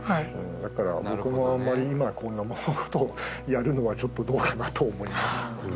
だから僕もあんまり今こんな事をやるのはちょっとどうかなと思います。